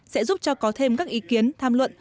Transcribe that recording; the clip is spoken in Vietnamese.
sẽ giúp cho có thêm các ý kiến tham luận